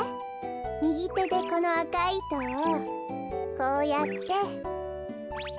みぎてでこのあかいいとをこうやって。